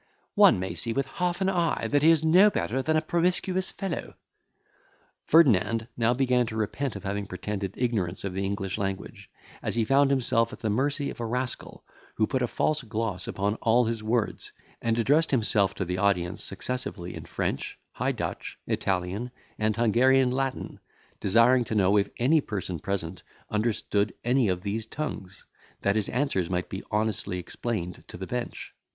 One may see with half an eye that he is no better than a promiscuous fellow." Ferdinand now began to repent of having pretended ignorance of the English language, as he found himself at the mercy of a rascal, who put a false gloss upon all his words, and addressed himself to the audience successively in French, High Dutch, Italian, and Hungarian Latin, desiring to know if any person present understood any of these tongues, that his answers might be honestly explained to the bench.